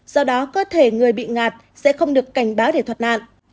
do đó cơ thể người bị ngạt sẽ không được cảnh báo để thoát nạn